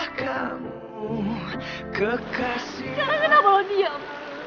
sekarang kenapa lo diam